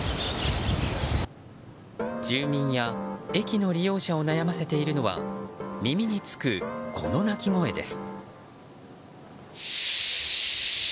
住民や駅の利用者を悩ませているのは耳につく、この鳴き声です。